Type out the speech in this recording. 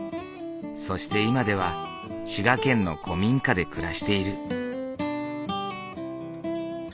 そして今では滋賀県の古民家で暮らしている。